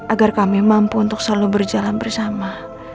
agar kami mampu untuk selalu berjalan bersama